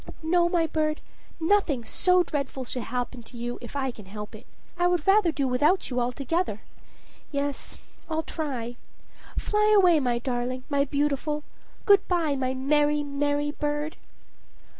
"No, my bird, nothing so dreadful shall happen to you if I can help it; I would rather do without you altogether. Yes, I'll try. Fly away, my darling, my beautiful! Good by, my merry, merry bird."